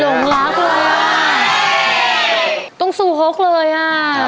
หลงรักเลยอ่ะต้องสู้ฮกเลยอ่ะ